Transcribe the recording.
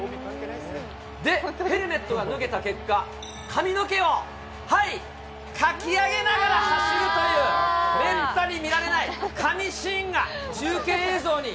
で、ヘルメットが脱げた結果、髪の毛を、はい、かきあげながら走るという、めったに見られない神シーンが、中継映像に。